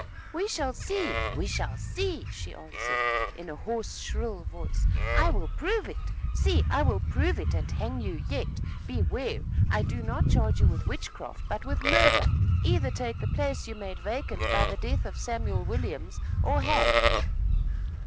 "We shall see! We shall see!" she answered, in a hoarse, shrill voice. "I will prove it. See, I will prove it and hang you yet. Beware! I do not charge you with witchcraft, but with murder. Either take the place you made vacant by the death of Samuel Williams, or hang!"